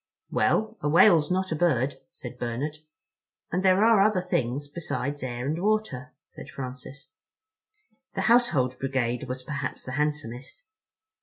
"Well, a whale's not a bird," said Bernard. "And there are other things besides air and water," said Francis. The Household Brigade was perhaps the handsomest.